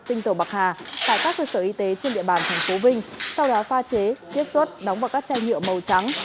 tinh dầu bạc hà tại các cơ sở y tế trên địa bàn tp vinh sau đó pha chế chiết xuất đóng vào các chai nhựa màu trắng